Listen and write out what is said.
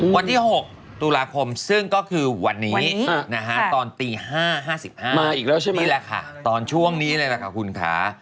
วันที่๖ตุลาคมซึ่งก็คือวันนี้ตอนตี๕๕๕นนี่แหละค่ะตอนช่วงนี้เลยค่ะคุณค้า